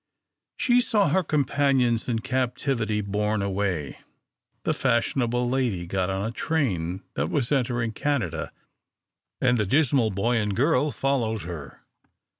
She saw her companions in captivity borne away. The fashionable lady got on a train that was entering Canada, and the dismal boy and girl followed her.